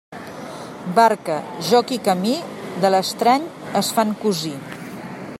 Barca, joc i camí, de l'estrany es fan cosí.